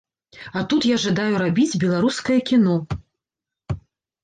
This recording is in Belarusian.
А тут я жадаю рабіць беларускае кіно.